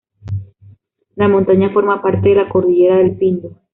La montaña forma parte de la cordillera del Pindo.